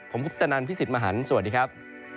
ผมพุทธนันทร์พี่สิทธิ์มหันทร์สวัสดีครับ